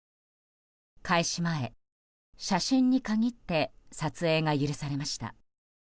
開始前、写真に限って撮影が許されました。